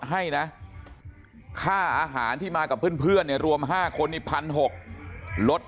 ให้นะค่าอาหารที่มากับเพื่อนเนี่ยรวม๕คนนี่๑๖๐๐ลด